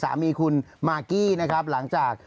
สามีคุณมากกี้นะครับหลังจาก